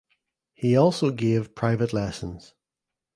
He also gave private lessons.